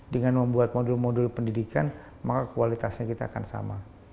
dengan membuat modul modul pendidikan maka kualitasnya kita akan sama